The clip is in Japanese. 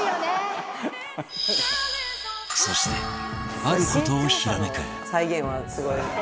そしてある事をひらめく